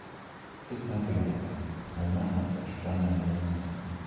Think nothing of it. I’ve not had such fun in a long time.